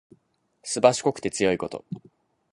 すばしこくて強いこと。